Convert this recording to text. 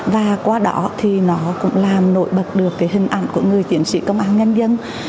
và qua đó thì nó cũng làm nổi bật được cái hình ảnh của người chiến sĩ công an nhân dân